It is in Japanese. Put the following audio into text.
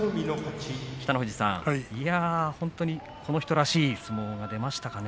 北の富士さん、本当にこの人らしい相撲がそうですね。